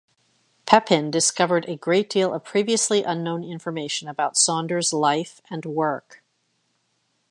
Peppin discovered a great deal of previously unknown information about Saunders' life and work.